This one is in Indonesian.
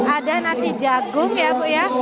ada nasi jagung ya bu ya